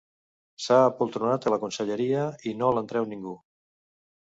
S'ha apoltronat a la conselleria i no l'en treu ningú.